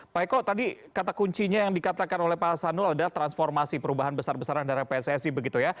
pak eko tadi kata kuncinya yang dikatakan oleh pak hasanul adalah transformasi perubahan besar besaran dari pssi begitu ya